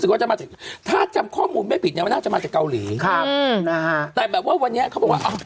วันนี้เขาบอกว่า